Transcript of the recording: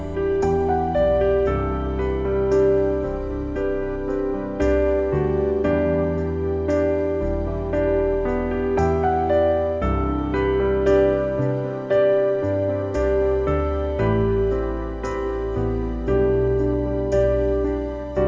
อ๋อนี่ก็ไม่เป็นไรไม่เป็นไรนะนี่ไงอยู่นี่ได้เห็นมากก็ดีใจแล้วนะอ่าอืมไม่ต้องเป็นห่วงใช่ไหมอืมนี่ไงอ่า